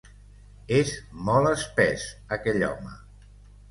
És molt espès, aquell home.